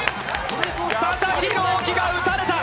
佐々木朗希が打たれた！